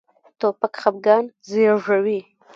توپک خپګان زېږوي.